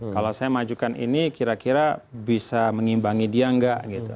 kalau saya majukan ini kira kira bisa mengimbangi dia enggak gitu